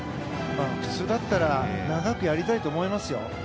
普通だったら長くやりたいと思いますよ。